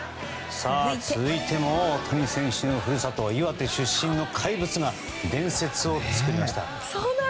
続いても大谷選手の故郷岩手出身の怪物が伝説を作りました。